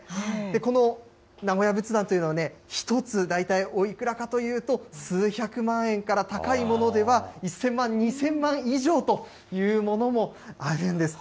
この名古屋仏壇というのは、１つ大体おいくらかというと、数百万円から高いものでは、１０００万、２０００万以上というものもあるんです。